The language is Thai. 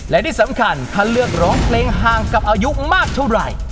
และที่สำคัญถ้าเลือกร้องเพลงห่างกับอายุมากเท่าไหร่